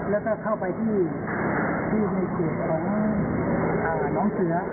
แล้วก็เข้าไปที่ที่ใหญ่เกียรติของน้องเสือ